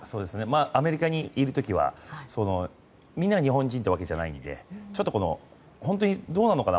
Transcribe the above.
アメリカにいる時はみんなが日本人ってわけじゃないので本当にどうなのかな？